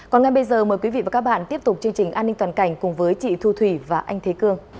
còn ngay bây giờ mời quý vị và các bạn tiếp tục chương trình an ninh toàn cảnh cùng với chị thu thủy và anh thế cương